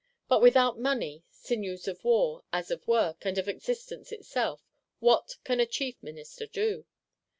But without money, sinews of war, as of work, and of existence itself, what can a Chief Minister do?